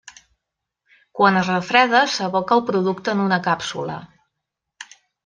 Quan es refreda s'aboca el producte en una càpsula.